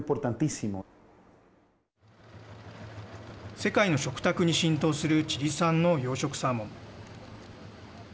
世界の食卓に浸透するチリ産の養殖サーモン。